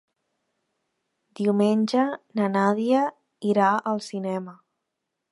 Diumenge na Nàdia irà al cinema.